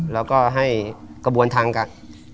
แล้วก็ให้กระบวนทางกัน